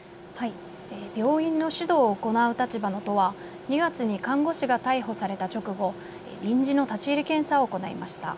病院の指導を行う立場の都は２月に看護師が逮捕された直後、臨時の立ち入り検査を行いました。